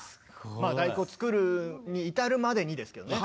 「第９」をつくるに至るまでにですけどね。